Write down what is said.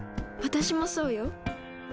私もそうよ。